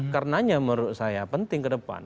karenanya menurut saya penting ke depan